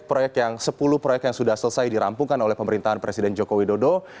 proyek yang sepuluh proyek yang sudah selesai dirampungkan oleh pemerintahan presiden joko widodo